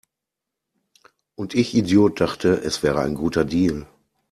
Und ich Idiot dachte, es wäre ein guter Deal!